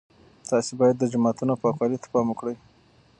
تاسي باید د جوماتونو پاکوالي ته پام وکړئ.